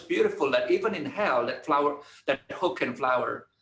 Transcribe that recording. bahwa walaupun di neraka harapan masih bisa berkembang